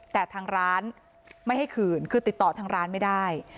แต่ทางร้านไม่ให้คืนคือติดต่อทางร้านไม่ได้